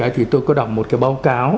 thì tôi có đọc một cái báo cáo